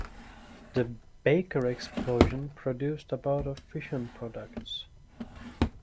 The "Baker" explosion produced about of fission products.